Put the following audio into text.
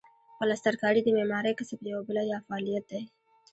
پلسترکاري د معمارۍ کسب یوه بله یا فعالیت دی.